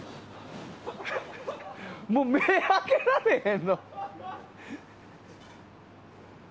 もう、目を開けられへんの。